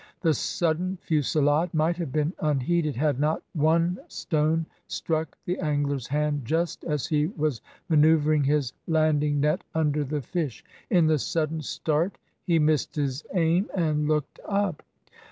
The sudden fusillade might have been unheeded, had not one stone struck the angler's hand just as he was manoeuvring his landing net under the fish. In the sudden start he missed his aim and looked up.